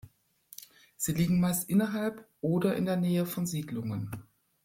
Sie liegen meist innerhalb oder in der Nähe von Siedlungen.